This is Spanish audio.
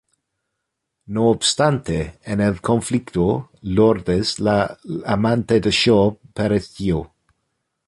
No obstante, en el conflicto, Lourdes, la amante de Shaw, pereció.